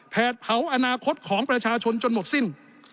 เผาอนาคตของประชาชนจนหมดสิ้น